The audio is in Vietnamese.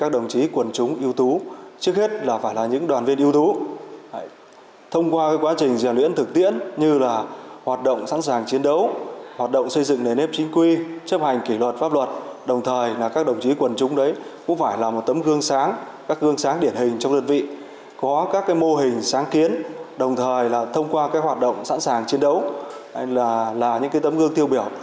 đây là thông qua các hoạt động sẵn sàng chiến đấu đây là những tấm gương tiêu biểu